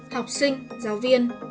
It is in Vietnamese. học sinh giáo viên